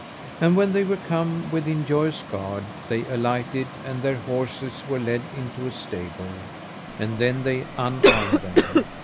And when they were come within Joyous Gard they alighted, and their horses were led into a stable; and then they unarmed them.